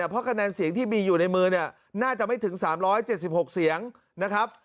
เพราะคะแนนเสียงที่มีอยู่ในมือเนี่ยน่าจะไม่ถึง๓๗๖เสียงนะครับ